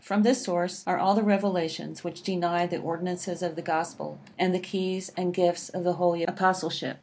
From this source are all the revelations which deny the ordinances of the Gospel, and the keys and gifts of the Holy Apostleship.